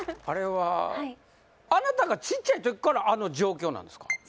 あれはあなたがちいちゃい時からあの状況なんですか？